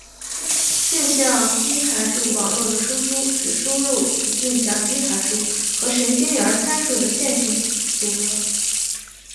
径向基函数网络的输出是输入的径向基函数和神经元参数的线性组合。